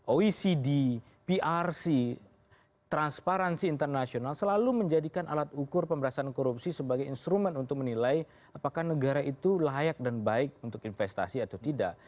oecd prc transparansi internasional selalu menjadikan alat ukur pemberantasan korupsi sebagai instrumen untuk menilai apakah negara itu layak dan baik untuk investasi atau tidak